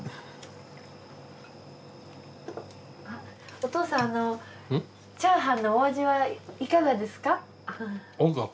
お父さんチャーハンのお味はいかがですか？